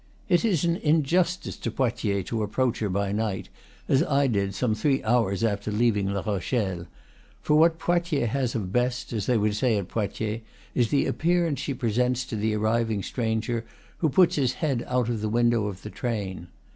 It is an injustice to Poitiers to approach her by night, as I did some three hours after leaving La Rochelle; for what Poitiers has of best, as they would say at Poitiers, is the appearance she presents to the arriving stranger who puts his head out of the window of the train.